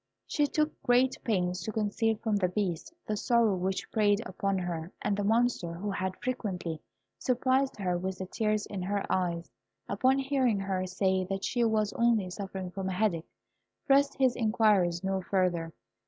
She took great pains to conceal from the Beast the sorrow which preyed upon her; and the Monster, who had frequently surprised her with the tears in her eyes, upon hearing her say that she was only suffering from a headache, pressed his inquiries no further.